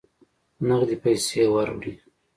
نغدي پیسې وروړي.